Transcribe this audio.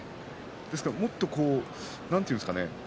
ですから、もっとなんて言うんですかね